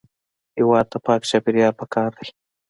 هېواد ته پاک چاپېریال پکار دی